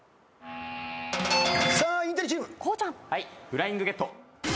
『フライングゲット』